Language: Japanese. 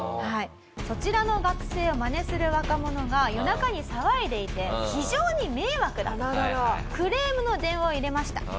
そちらの学生をまねする若者が夜中に騒いでいて非常に迷惑だとクレームの電話を入れました。